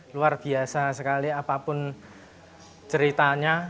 luar biasa sekali apapun ceritanya